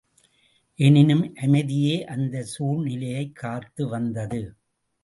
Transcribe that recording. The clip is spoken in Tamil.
எனினும் அமைதியே அந்தச் சூழ் நிலையைக் காத்து வந்தது.